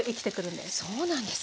そうなんですね！